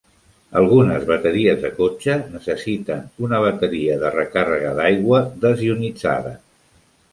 Algunes bateries de cotxe necessiten una bateria de recàrrega d'aigua desionitzada.